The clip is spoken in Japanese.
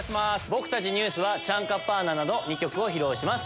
僕たちＮＥＷＳは『チャンカパーナ』など２曲を披露します。